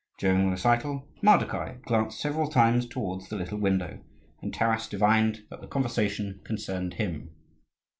During the recital, Mardokhai glanced several times towards the little window, and Taras divined that the conversation concerned him.